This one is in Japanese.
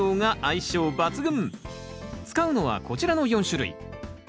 使うのはこちらの４種類。